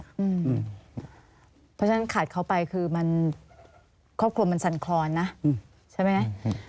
เพราะฉะนั้นขาดเขาไปคือมันครอบครัวมันสั่นคลอนนะใช่ไหม